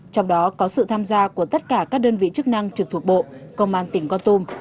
trong đó có sự tham gia của tất cả các đơn vị chức năng trực thuộc bộ công an tỉnh con tum